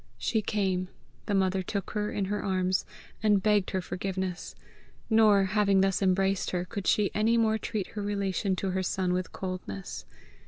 She came; the mother took her in her arms, and begged her forgiveness; nor, having thus embraced her, could she any more treat her relation to her son with coldness.